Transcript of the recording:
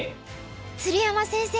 鶴山先生